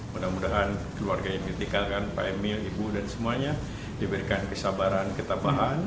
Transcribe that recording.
mudah mudahan keluarga yang ditinggalkan pak emil ibu dan semuanya diberikan kesabaran ketabahan